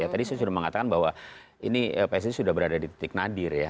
tadi saya sudah mengatakan bahwa ini pssi sudah berada di titik nadir ya